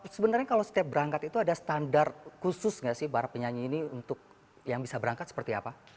sebenarnya kalau setiap berangkat itu ada standar khusus nggak sih para penyanyi ini untuk yang bisa berangkat seperti apa